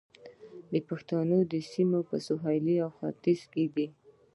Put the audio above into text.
د پښتنو سیمې په سویل او ختیځ کې دي